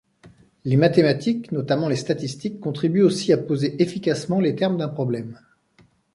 Les mathématiques, notamment les statistiques, contribuent aussi à poser efficacement les termes d'un problème.